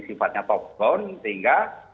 sifatnya top down sehingga